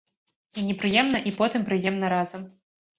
І непрыемна і потым прыемна разам.